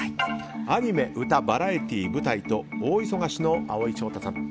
アニメ、歌、バラエティー舞台と大忙しの蒼井翔太さん。